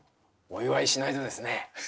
お祝いしないとですね。